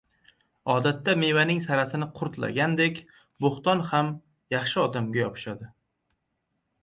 Odatda mevaning sarasini qurtlandek, bo‘hton ham yaxshi odamlarga yopishadi.